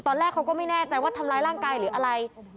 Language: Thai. ตอนแรกเขาก็ไม่แน่ใจว่าทำร้ายร่างกายหรืออะไร